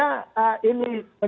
ini menjadi politik yang berani